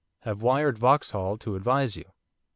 Have wired Vauxhall to advise you.